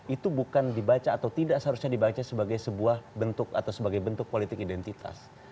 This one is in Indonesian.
itu bukan dibaca atau tidak seharusnya dibaca sebagai sebuah bentuk atau sebagai bentuk politik identitas